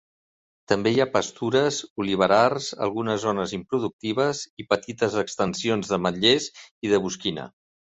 També hi ha pastures, oliverars, algunes zones improductives i petites extensions d'ametllers i de bosquina.